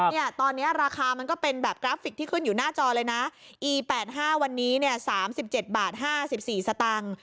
เนี่ยตอนเนี้ยราคามันก็เป็นแบบกราฟิกที่ขึ้นอยู่หน้าจอเลยนะอีแปดห้าวันนี้เนี่ยสามสิบเจ็ดบาทห้าสิบสี่สตางค์